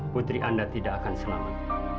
putri anda tidak akan selamat